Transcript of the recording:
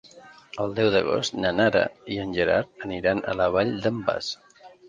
El deu d'agost na Nara i en Gerard aniran a la Vall d'en Bas.